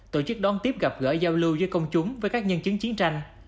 tổ chức đón tiếp gặp gỡ giao lưu giữa công chúng với các nhân chứng chiến tranh